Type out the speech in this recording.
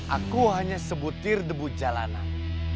aku hanya sebutir debu jalanan